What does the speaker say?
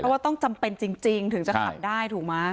แล้วว่าจำเป็นจริงถึงคาดได้ถูกมา